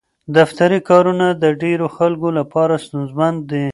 دفتري کارونه د ډېرو خلکو لپاره ستونزمن دي.